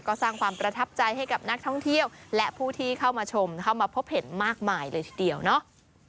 ก็สร้างความประทับใจให้กับนักท่องเที่ยวและผู้ที่เข้ามาชมเข้ามาพบเห็นมากมายเลยทีเดียวเนาะ